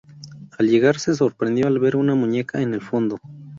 Al llegar, se sorprendió al ver una muñeca en el fondo.